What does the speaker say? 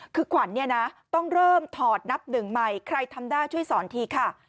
คือขวัญเนี่ยนะต้องเริ่มถอดนับหนึ่งใหม่ใครทำได้ช่วยสอนทีค่ะ